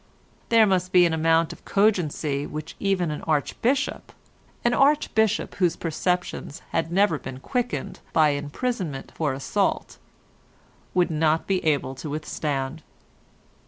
There must be an amount of cogency which even an Archbishop—an Archbishop whose perceptions had never been quickened by imprisonment for assault—would not be able to withstand.